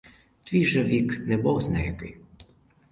Твій же вік не бог зна який.